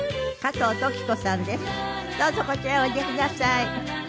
どうぞこちらへおいでください。